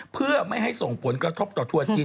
เพื่อไม่ให้ส่งผลกระทบต่อทัวร์จีน